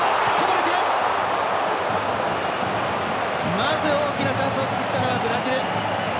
まず大きなチャンスを作ったのはブラジル。